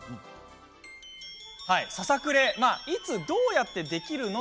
ささくれっていつ、どうやってできるの？